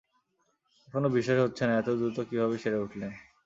এখনো বিশ্বাস হচ্ছে না এত দ্রুত কীভাবে সেরে উঠলেন?